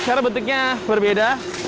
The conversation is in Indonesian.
secara bentuknya berbeda